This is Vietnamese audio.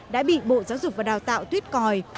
đã bị bộ giáo dục và đào tạo tuyết còi